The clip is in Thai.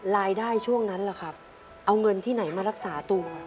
รายได้ช่วงนั้นล่ะครับเอาเงินที่ไหนมารักษาตัว